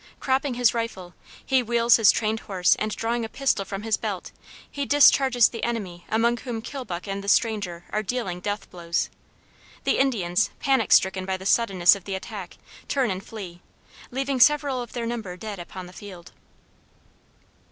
Cropping his rifle, he wheels his trained horse and drawing a pistol from his belt he charges the enemy among whom Kilbuck and the stranger are dealing death blows. The Indians, panic stricken by the suddenness of the attack, turn and flee, leaving several of their number dead upon the field.